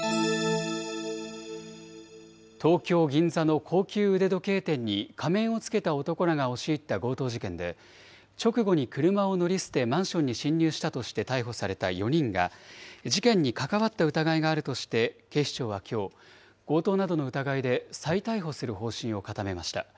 東京・銀座の高級腕時計店に仮面をつけた男らが押し入った強盗事件で、直後に車を乗り捨て、マンションに侵入したとして逮捕された４人が、事件に関わった疑いがあるとして警視庁はきょう、強盗などの疑いで再逮捕する方針を固めました。